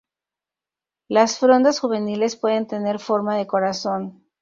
Las frondas juveniles pueden tener forma de corazón.